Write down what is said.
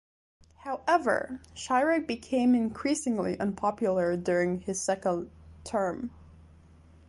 However, Chirac became increasingly unpopular during his second term.